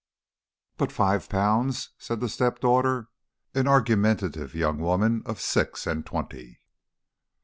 "But Five Pounds!" said the step daughter, an argumentative young woman of six and twenty.